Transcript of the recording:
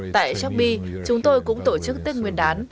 tại shabi chúng tôi cũng tổ chức tết nguyên đán